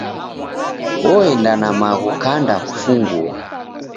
Oenda na maghu kanda kufungua.